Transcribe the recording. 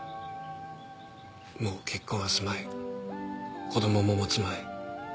もう結婚はすまい子供も持つまい。